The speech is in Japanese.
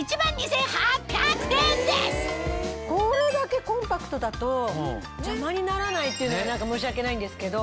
これだけコンパクトだと邪魔にならないっていうのも何か申し訳ないんですけど。